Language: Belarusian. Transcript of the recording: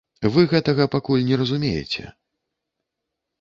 Вы гэтага пакуль не разумееце.